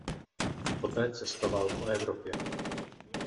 Poté cestoval po Evropě.